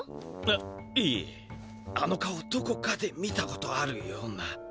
あっいえあの顔どこかで見たことあるような。